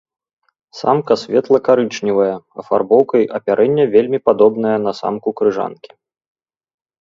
Самка светла-карычневая, афарбоўкай апярэння вельмі падобная на самку крыжанкі.